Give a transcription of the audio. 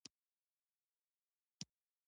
حاجي ګل اغا اسحق زی يو مخور مشر او سخي انسان وو.